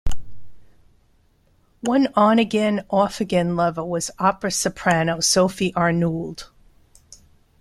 One on-again-off-again lover was opera soprano Sophie Arnould.